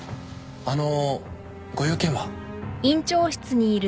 あのご用件は？